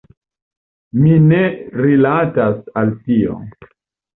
Mi ne rilatas al tio.